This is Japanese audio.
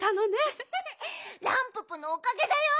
ランププのおかげだよ。